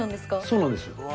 そうなんです。